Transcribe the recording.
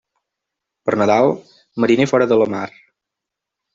Per Nadal, mariner fora de la mar.